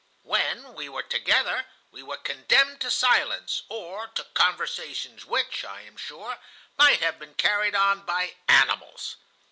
When we were together; we were condemned to silence, or to conversations which, I am sure, might have been carried on by animals.